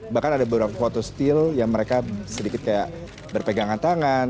bahkan ada beberapa foto steel yang mereka sedikit kayak berpegangan tangan